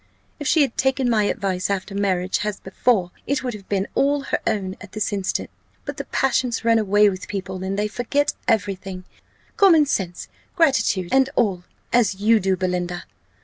"If she had taken my advice after marriage as before, it would have been all her own at this instant. But the passions run away with people, and they forget every thing common sense, gratitude, and all as you do, Belinda.